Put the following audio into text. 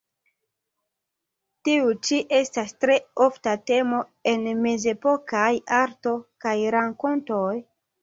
Tiu ĉi estas tre ofta temo en mezepokaj arto kaj rakontoj.